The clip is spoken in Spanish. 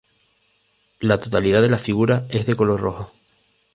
La totalidad de las figuras es de color rojo.